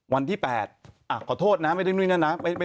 วันที่๘ขอโทษนะไม่ได้ว่านะ